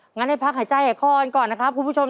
งั้นให้พักหายใจหายคอกันก่อนนะครับคุณผู้ชม